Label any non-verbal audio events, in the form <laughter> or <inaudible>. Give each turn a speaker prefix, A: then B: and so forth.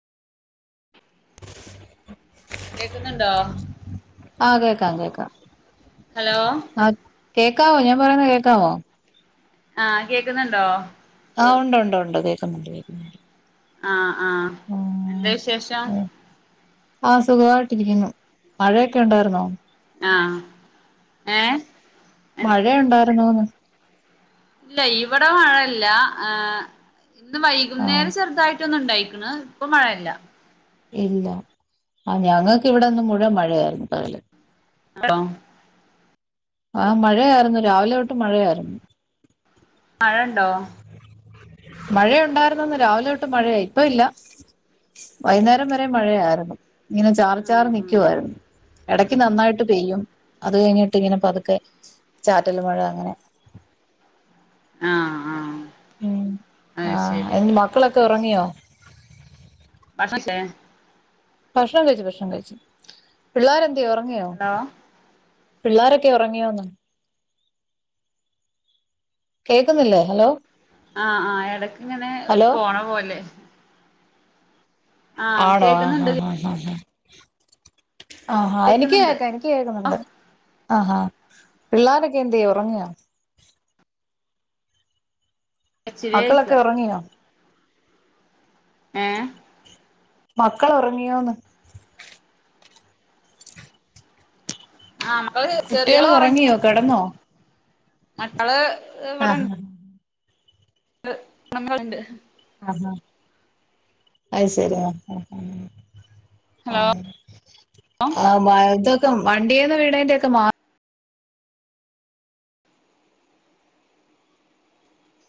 A: കേക്കുന്നുണ്ടോ
B: <inaudible> ആഹ് കേക്കാം കേക്കാം
A: ഹലോ?
B: ആഹ് കേക്കാവോ? ഞാൻ പറയണത് കേക്കാവോ?
A: ആഹ് കേക്കുന്നുണ്ടോ?
B: ആഹ് ഉണ്ട് ണ്ട് ണ്ട് കേക്കുന്നുണ്ട് കേക്കുന്നുണ്ട്
A: ആഹ് ആഹ് എന്താ
B: ആഹ്
A: വിശേഷം?
B: ആഹ് സുഖവായിട്ടിരിക്കുന്നു. മഴയൊക്കെ ഉണ്ടായിരുന്നോ?
A: ആഹ് ഏ
B: മഴയുണ്ടായിരുന്നോന്ന്?
A: ഇല്ല ഇവിടെ മഴല്ല. ഹ് ഇന്ന്
B: ആഹ്
A: വൈകുന്നേരം ചെറുതായിട്ട് റ്റോന്ന് ഇണ്ടായിക്ക്ണ് ഇപ്പൊ മഴല്ല
B: ഇല്ല ആ ഞങ്ങൾക്ക് ഇവിടെന്ന് മുഴുവൻ മഴയായിരുന്നു പകല്
A: <unintelligible>
B: ആ മഴയായിരുന്നു. രാവിലെ തൊട്ട് മഴയായിരുന്നു.
A: മഴണ്ടോ?
B: മഴയ ഉണ്ടായിരുന്നന്ന് രാവിലെ തൊട്ടും മഴയായി ഇപ്പ ഇല്ല വൈകുന്നേരം വരെ മഴയാർന്നു. ഇങ്ങനെ ചാറി ചാറി നിക്കുവായിരുന്നു ഇടയ്ക്ക് നന്നായിട്ട് പെയ്യും അത് കഴിഞ്ഞിട്ട് ഇങ്ങനെ പതുക്കെ ചാറ്റല് മഴ അങ്ങനെ
A: ആഹ് ആഹ്
B: ഉം ആഹ് ആ യിന്റെ മക്കളൊക്കെ ഉറങ്ങിയോ
A: <unintelligible>
B: ഭക്ഷണം കഴിച്ചു ഭക്ഷണം കഴിച്ചു. പിള്ളാരെന്ത്യോ ഉറങ്ങിയോ?
A: ഹലോ
B: പിള്ളാരൊക്കെ ഉറങ്ങിയോന്ന്? കേൾക്കുന്നില്ലേ? ഹലോ?
A: ആഹ് ആഹ് ഇടക്ക് ഇങ്ങനെ ഒരു
B: ഹലോ
A: പോണ പോല്ലേ
B: ആണോ? ആഹ
A: കേക്കുന്നുണ്ട്
B: ഹ ഹ ഹ ആഹാ ഹാ എനിക്ക്
A: കേക്കുന്നുണ്ട്
B: കേക്കാം. എനിക്ക് കേക്കുന്നുണ്ട്. ആഹാ ആഹാ പിള്ളാരൊക്കെ എന്ത്യാ ഉറങ്ങിയോ? മക്കളൊക്കെ
A: ഇച്ചിരിയായിക്ക
B: ഉറങ്ങിയോ?
A: ഏ
B: മക്കൾ ഉറങ്ങിയോന്ന്?
A: ആഹ് മക്കള്
B: കുട്ടികള്
A: ചെറിയാള്
B: ഉറങ്ങിയോ? കിടന്നോ?
A: മക്കള്
B: ആഹ്
A: ഇവടെണ്ട് <unintelligible>
B: ആഹ് ഹ അഹ് ശെരി ആഹ്
A: ഹലോ
B: ആഹ് മഴത്തോക് വണ്ടിന്ന് വീണന്റെക്കെ മാറി